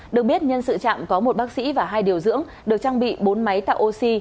được biết nhân sự chạm có một bác sĩ và hai điều dưỡng được trang bị bốn máy tạo oxy